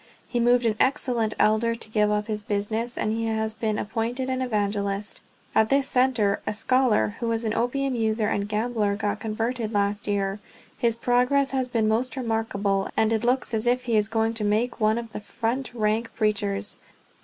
He moved an excellent elder to give up his business, and he has been appointed an evangelist. At this center a scholar, who was an opium user and gambler, got converted last year. His progress has been most remarkable, and it looks as if he is going to make one of the front rank preachers.